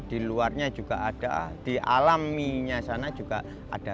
di luarnya juga ada di alaminya sana juga ada